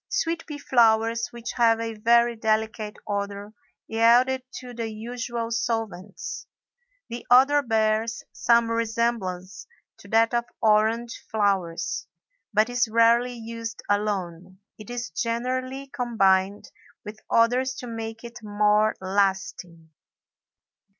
Sweet pea flowers, which have a very delicate odor, yield it to the usual solvents. The odor bears some resemblance to that of orange flowers, but is rarely used alone; it is generally combined with others to make it more lasting.